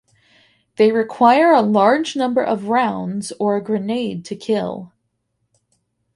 They require a large number of rounds or a grenade to kill.